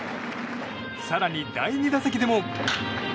更に、第２打席でも。